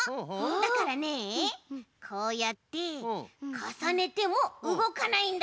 だからねこうやってかさねてもうごかないんだよ。